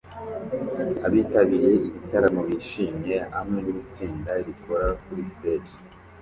Abitabiriye igitaramo bishimye hamwe nitsinda rikora kuri stage